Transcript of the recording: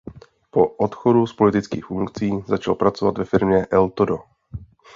Po odchodu z politických funkcí začal pracovat ve firmě Eltodo.